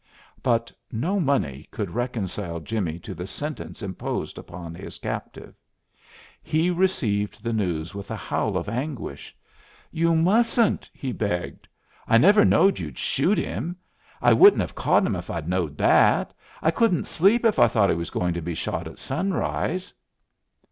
But no money could reconcile Jimmie to the sentence imposed upon his captive. He received the news with a howl of anguish. "You mustn't," he begged; "I never knowed you'd shoot him! I wouldn't have caught him if I'd knowed that. I couldn't sleep if I thought he was going to be shot at sunrise."